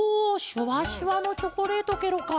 シュワシュワのチョコレートケロか！